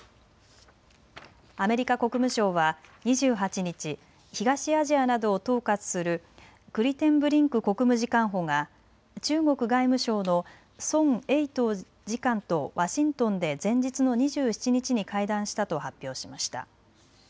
アメリカ国務省は２８日、東アジアなどを統括するクリテンブリンク国務次官補が中国外務省の孫衛東次官とワシントンで前日の２７日に会談したと発表しました。